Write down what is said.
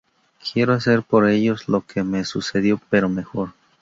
Quiero hacer por ellos lo que me sucedió, pero mejor.